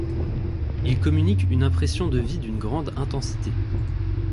Ils communiquent une impression de vie d’une grande intensité.